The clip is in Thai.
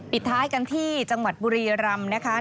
ท้ายกันที่จังหวัดบุรีรำนะคะ